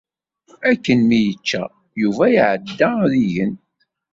Akken mi yečča, Yuba iɛedda ad igen.